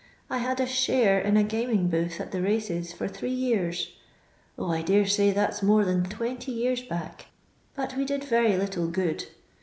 I had a share in a gnming booth at the races, for three years. 0, 1 dare say that 's more than 20 years back ; but we did very little good.